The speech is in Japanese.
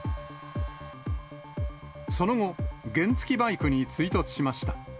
その後、原付きバイクに追突しました。